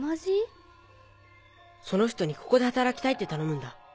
その人にここで働きたいって頼むんだ。